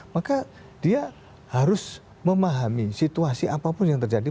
maka dia harus memahami situasi apapun yang terjadi